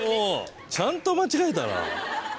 ちゃんと間違えたな。